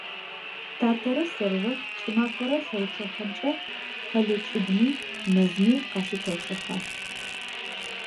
Татэрэ сэрырэ кӀымафэрэ лъэрычъэхэмкӀэ къэлэ кӀыбыми, мэзми къащытэчъыхьэ.